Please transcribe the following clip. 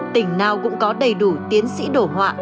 tỉnh nào cũng có đầy đủ tiến sĩ đổ họa